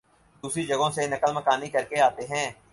دوسری جگہوں سے نقل مکانی کرکے آتے ہیں